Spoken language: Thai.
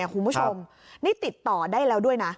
คุณผู้ชมนี่ติดต่อได้แล้วด้วยนะ